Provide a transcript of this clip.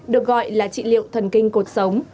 được gọi là trị liệu thần kinh cột sống